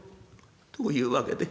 「どういうわけで？」。